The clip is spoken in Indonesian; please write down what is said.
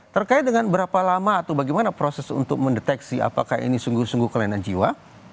terkait dengan berapa lama atau bagaimana proses untuk mendeteksi apakah ini sungguh sungguh kelainan jiwa